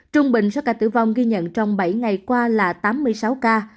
trung bình số ca tử vong ghi nhận trong bảy ngày qua là tám mươi sáu ca